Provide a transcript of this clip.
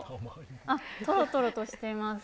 あ、とろとろとしています。